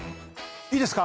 いいですか？